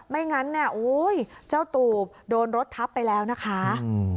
ไม่งั้นเจ้าตูบโดนรถทับไปแล้วนะคะ